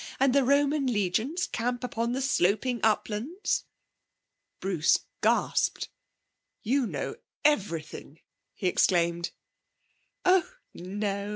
And the Roman legions camp upon the sloping uplands?' Bruce gasped. 'You know everything!' he exclaimed. 'Oh no.